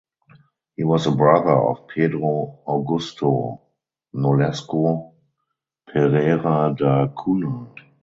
He was the brother of Pedro Augusto Nolasco Pereira da Cunha.